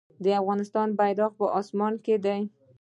د افغانستان بیرغ په اسمان کې دی